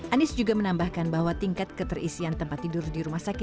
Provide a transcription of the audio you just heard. anies juga menambahkan bahwa tingkat keterisian tempat tidur di rumah sakit